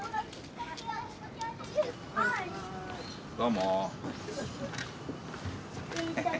どうも。